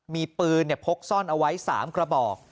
มีปืนพกซ่อนเอาไว้๓กระบอก